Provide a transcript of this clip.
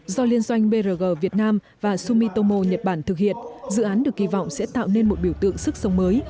do liên doanh brg việt nam và sumitomo nhật bản thực hiện dự án được kỳ vọng sẽ tạo nên một biểu tượng sức sống mới